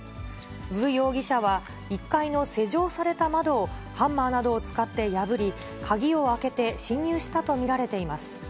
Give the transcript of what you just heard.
ヴ容疑者は１階の施錠された窓を、ハンマーなどを使って破り、鍵を開けて侵入したと見られています。